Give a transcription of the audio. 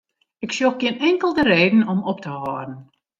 Ik sjoch gjin inkelde reden om op te hâlden.